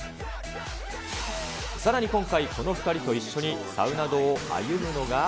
さらに今回、この２人と一緒にサウナ道を歩むのが。